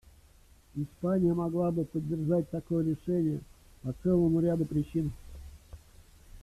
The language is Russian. Испания могла бы поддержать такое решение по целому ряду причин.